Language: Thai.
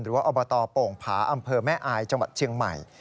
อบตโป่งผาอำเภอแม่อายจังหวัดเชียงใหม่